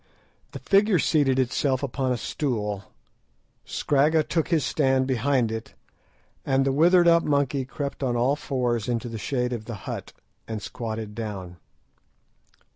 The figure seated itself upon a stool, Scragga took his stand behind it, and the withered up monkey crept on all fours into the shade of the hut and squatted down.